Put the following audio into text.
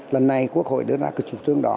lần này quốc hội đưa ra cực trục tương đó